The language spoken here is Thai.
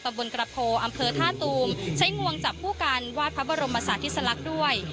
บนกระโพอำเภอท่าตูมใช้งวงจับผู้การวาดพระบรมศาสติสลักษณ์ด้วย